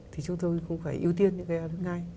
thì chúng tôi cũng phải ưu tiên những cái đáp ứng ngay